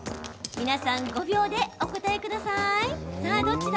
皆さん、５秒でお答えください！